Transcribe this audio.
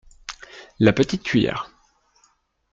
La petite cuillère.